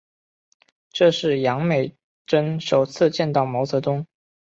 这是杨美真首次见到毛泽东。